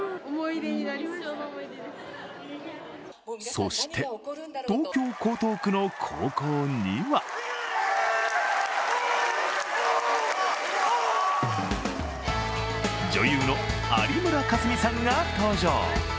そして東京・江東区の高校には女優の有村架純さんが登場。